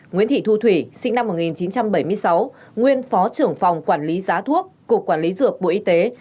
nguyễn thị thu thủy sinh năm một nghìn chín trăm bảy mươi sáu nguyên phó trưởng phòng quản lý giá thuốc cục quản lý dược bộ y tế